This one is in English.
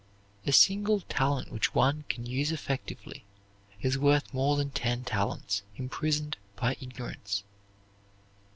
A single talent which one can use effectively is worth more than ten talents imprisoned by ignorance.